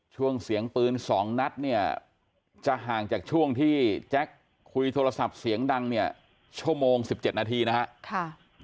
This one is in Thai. ช่วงเสียงปืน๒นัดเนี่ยจะห่างจากช่วงที่แจ็คคุยโทรศัพท์เสียงดังเนี่ยชั่วโมง๑๗นาทีนะครับ